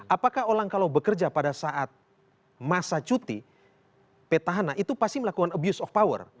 apakah orang kalau bekerja pada saat masa cuti petahana itu pasti melakukan abuse of power